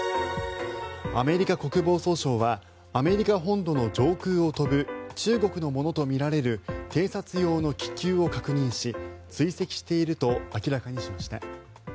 アメリカ国防総省はアメリカ本土の上空を飛ぶ中国のものとみられる偵察用の気球を確認し追跡していると明らかにしました。